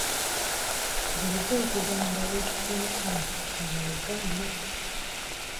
Bulijjo nkugamba weesige mukama nga ogaana.